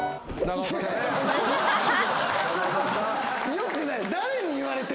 よくない。